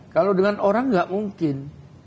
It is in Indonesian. kalau dengan orang nggak mungkin